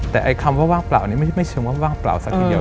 แต่ไอ้คำว่าว่างเปล่านี้ไม่ใช่เชิงว่าว่างเปล่าสักทีเดียว